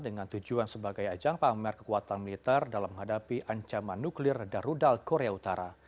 dengan tujuan sebagai ajang pamer kekuatan militer dalam menghadapi ancaman nuklir dan rudal korea utara